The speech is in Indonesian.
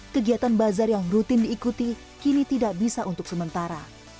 kegiatan bazar yang rutin diikuti kini tidak bisa untuk sementara